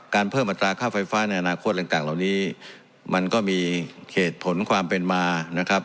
เพิ่มอัตราค่าไฟฟ้าในอนาคตต่างเหล่านี้มันก็มีเหตุผลความเป็นมานะครับ